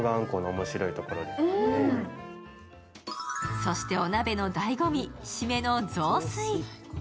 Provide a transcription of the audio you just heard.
そして、お鍋のだいご味、締めの雑炊。